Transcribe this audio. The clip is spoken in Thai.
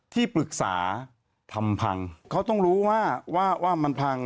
ที่ปรึกษาทำพังเขาต้องรู้ว่าว่ามันพัง